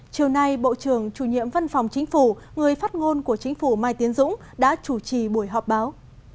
chiều nay bộ trưởng chủ nhiệm văn phòng chính phủ người phát ngôn của chính phủ mai tiến dũng đã chủ trì buổi họp báo